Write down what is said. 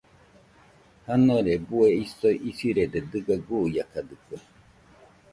Janore bue isoi isɨrede dɨga guiakadɨkue.